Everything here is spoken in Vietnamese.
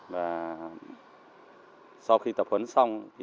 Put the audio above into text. và sau khi tập huấn xong